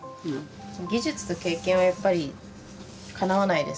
技術と経験はやっぱりかなわないですけどね。